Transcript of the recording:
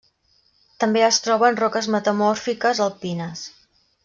També es troba en roques metamòrfiques alpines.